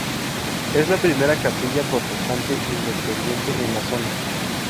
Es la primera Capilla Protestante Independiente en la zona.